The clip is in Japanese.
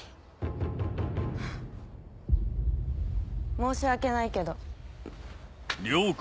申し訳ないけど。